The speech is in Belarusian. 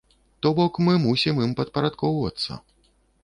То бок мы мусім ім падпарадкоўвацца.